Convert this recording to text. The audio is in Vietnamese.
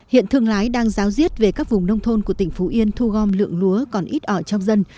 hiện thương lái đang giáo diết về các vùng nông thôn của tỉnh phú yên thu gom lượng lúa còn ít ở trong dân